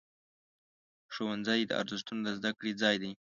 ښوونځی د ارزښتونو د زده کړې ځای دی.